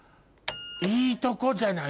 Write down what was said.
いいとこじゃない！